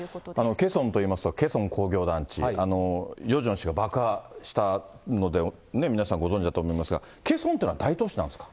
ケソンといいますと、ケソン工業団地、ヨジョン氏が爆破したので皆さんご存じだと思いますが、ケソンというのは大都市なんですか。